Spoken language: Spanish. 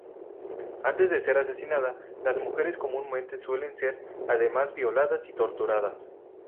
Antes de ser asesinadas, las mujeres comúnmente suelen ser, además, violadas y torturadas.